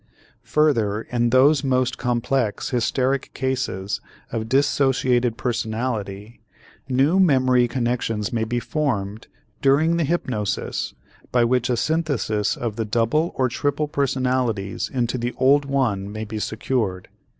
Further in those most complex hysteric cases of dissociated personality, new memory connections may be formed during the hypnosis by which a synthesis of the double or triple personalities into the old one may be secured.